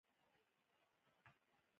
پیاله د نغمو ترڅنګ چای څښي.